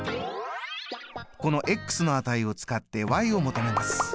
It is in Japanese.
このの値を使ってを求めます。